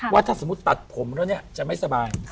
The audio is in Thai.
ว่าถ้าสมมุติตัดผมแล้วเนี่ยจะไม่สบาย